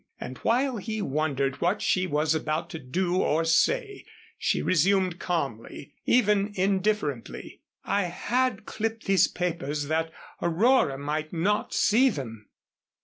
And while he wondered what she was about to do or say, she resumed calmly, even indifferently. "I had clipped these papers that Aurora might not see them.